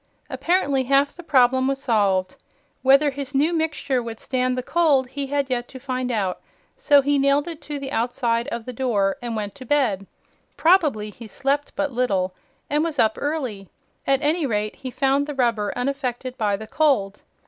Apparently half the problem was solved. Whether his new mixture would stand the cold he had yet to find out, so he nailed it on the outside of the door and went to bed. Probably he slept but little and was up early. At any rate he found the rubber unaffected by the cold.